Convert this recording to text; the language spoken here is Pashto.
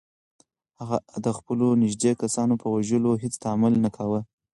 هغه د خپلو نږدې کسانو په وژلو کې هیڅ تامل نه کاوه.